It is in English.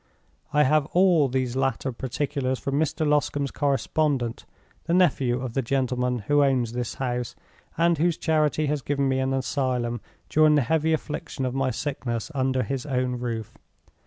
I have all these latter particulars from Mr. Loscombe's correspondent—the nephew of the gentleman who owns this house, and whose charity has given me an asylum, during the heavy affliction of my sickness, under his own roof.